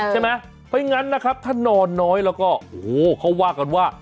ใช่ไหมเพราะฉะนั้นนะครับถ้านอนน้อยแล้วก็โอ้เค้าว่ากันว่า